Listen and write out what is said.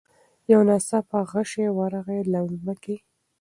یو ناڅاپه غشی ورغی له مځکي